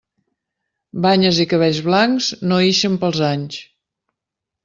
Banyes i cabells blancs, no ixen pels anys.